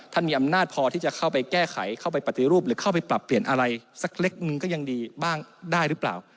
มีอำนาจพอที่จะเข้าไปแก้ไขเข้าไปปฏิรูปหรือเข้าไปปรับเปลี่ยนอะไรสักเล็กนึงก็ยังดีบ้างได้หรือเปล่า